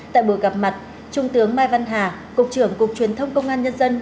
tại buổi gặp mặt trung tướng mai văn hà cục trưởng cục truyền thông công an nhân dân